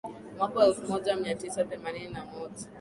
Mwaka wa elfu moja mia tisa themanini na moja